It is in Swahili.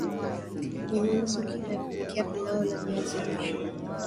Nyama nusu kilo ya kupikia pilau la viazi lishe